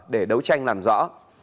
để đấu tranh làm rõ